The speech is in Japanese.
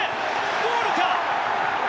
ボールか？